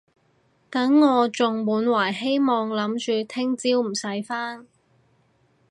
等我仲滿懷希望諗住聽朝唔使返